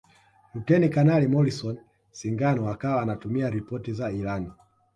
Luteni Kanali Morrison Singano akawa anatuma ripoti za ilani